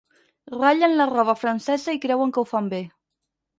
Ratllen la roba francesa i creuen que ho fan bé.